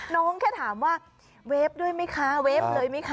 น้องแค่ถามว่าเวฟด้วยมั้ยค่ะเวฟเลยมั้ยค่ะ